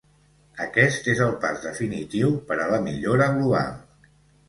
Aquest és el pas definitiu per a la millora global.